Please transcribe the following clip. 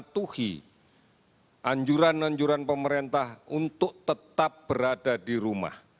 dengan terus menerus kita mematuhi anjuran anjuran pemerintah untuk tetap berada di rumah